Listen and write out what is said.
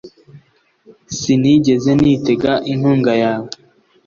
Sinigeze nitega inkunga yawe